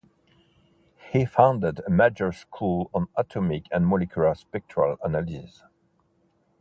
He founded a major school on atomic and molecular spectral analysis.